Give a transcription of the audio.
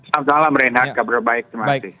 selamat malam renat kabar baik